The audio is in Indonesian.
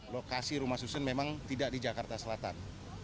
lokasi rumah susun memang tidak di jakarta selatan